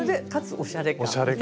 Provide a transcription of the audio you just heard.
おしゃれ感が。